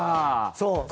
そう。